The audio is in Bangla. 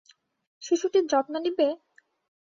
শিশুটির যত্ন নিবে?